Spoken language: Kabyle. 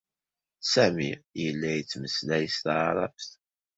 Sami yella yettmeslay s taɛṛabt.